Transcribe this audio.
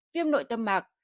viêm nội tâm mạc